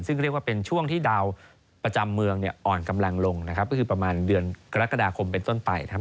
ซึ่งเรียกว่าเป็นช่วงที่ดาวประจำเมืองเนี่ยอ่อนกำลังลงนะครับก็คือประมาณเดือนกรกฎาคมเป็นต้นไปนะครับ